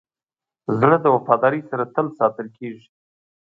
زړه د وفادارۍ سره تل ساتل کېږي.